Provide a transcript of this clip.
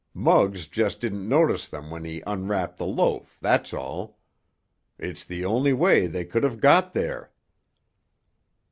Muggs just didn't notice them when he unwrapped the loaf—that's all. It's the only way they could have got there!"